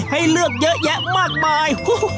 ให้เลือกเยอะแยะมากมาย